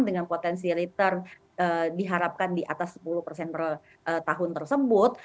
dengan potensi return diharapkan di atas sepuluh persen per tahun tersebut